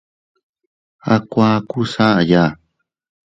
A kuakus aʼaya.